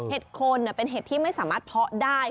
โคนเป็นเห็ดที่ไม่สามารถเพาะได้